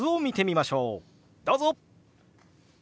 どうぞ！